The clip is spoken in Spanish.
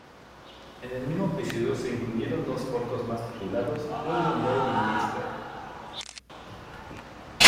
En el mismo episodio se incluyeron dos cortos más, titulados "Jungle Boy in "Mr.